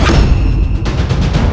ya seharusnya kita ke sana